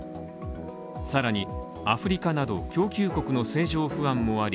さらに、アフリカなど供給国の成長不安もあり